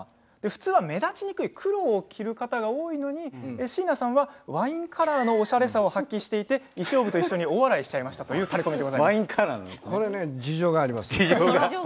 普通は目立ちにくい黒を着る方が多いのに椎名さんはワインカラーのおしゃれさを発揮していて衣装部と一緒に大笑いしちゃいましたという事情があります。